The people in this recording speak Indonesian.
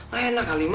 gak enak kali ma